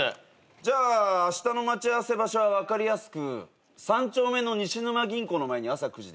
じゃああしたの待ち合わせ場所は分かりやすく３丁目のニシヌマ銀行の前に朝９時でいいかな？